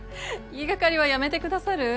言いがかりはやめてくださる？